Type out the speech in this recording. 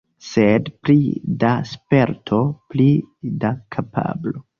Sed pli da sperto, pli da kapablo.